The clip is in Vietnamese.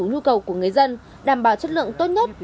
nhu cầu của người dân đảm bảo chất lượng tốt nhất